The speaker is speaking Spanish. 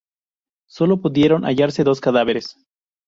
Sólo pudieron hallarse dos cadáveres.